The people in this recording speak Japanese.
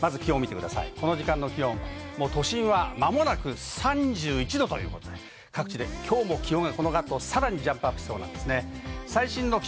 この時間の気温、都心は間もなく３１度ということで、各地で気温がさらにジャンプアップしそうです。